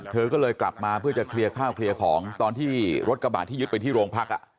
เธอก็เลยกลับมาเพื่อจะเคลียร์ข้าวเคลียร์ของตอนที่รถกระบาดที่ยึดไปที่โรงพัก